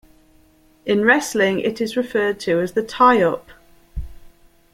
In wrestling it is referred to as the tie-up.